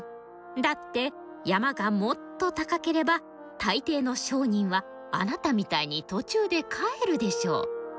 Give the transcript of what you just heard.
だって山がもっと高ければ大抵の商人はあなたみたいに途中で帰るでしょう。